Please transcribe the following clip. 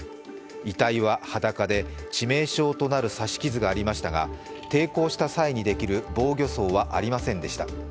遺体は裸で、致命傷となる刺し傷がありましたが抵抗した際にできる防御創はありませんでした。